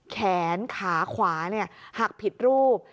แขนขาขวาหักผิดรูป